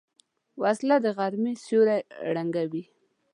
وسله د غرمې سیوری ړنګوي